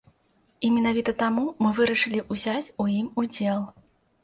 І менавіта таму мы вырашылі ўзяць у ім удзел.